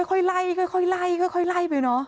โอ้โหค่อยไล่ไปเนอะ